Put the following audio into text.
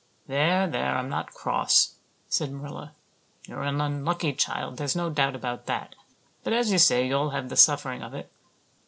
"There, there, I'm not cross," said Marilla. "You're an unlucky child, there's no doubt about that; but as you say, you'll have the suffering of it.